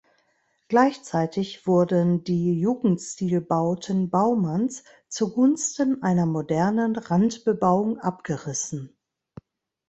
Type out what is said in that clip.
Gleichzeitig wurden die Jugendstilbauten Baumanns zugunsten einer modernen Randbebauung abgerissen.